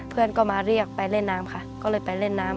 เพื่อนก็มาเรียกไปเล่นน้ำค่ะก็เลยไปเล่นน้ำ